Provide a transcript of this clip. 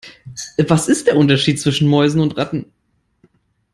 Was ist der Unterschied zwischen Mäusen und Ratten?